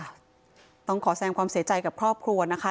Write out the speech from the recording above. ต้องขอแสงความเสียใจกับครอบครัวนะคะ